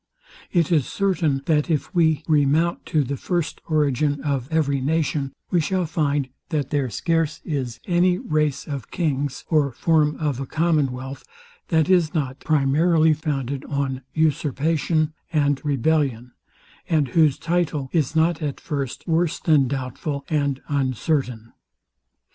It is certain, that if we remount to the first origin of every nation, we shall find, that there scarce is any race of kings, or form of a commonwealth, that is not primarily founded on usurpation and rebellion, and whose title is not at first worse than doubtful and uncertain.